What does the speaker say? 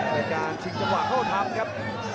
เป็นการชิงจังหวะเข้าทำครับ